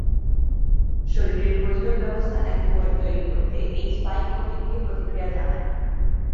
শরীরের প্রতিরোধ ব্যবস্থা অ্যান্টিবডি তৈরি করতে এই স্পাইক প্রোটিনকে প্রতিক্রিয়া জানায়।